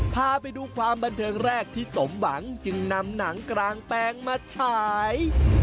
พาไปดูความบันเทิงแรกที่สมหวังจึงนำหนังกลางแปลงมาฉาย